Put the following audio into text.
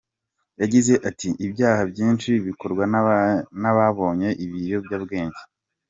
Yagize ati :"Ibyaha byinshi bikorwa n’abanyoye ibiyobyabwege.